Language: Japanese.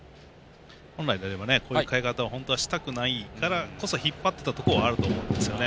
本来であればこういう代え方をしたくないから引っ張ってたところはあると思うんですよね。